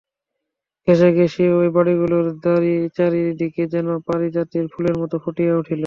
ঘেঁষাঘেঁষি ঐ বাড়িগুলো চারি দিকে যেন পারিজাতের ফুলের মতো ফুটিয়া উঠিল।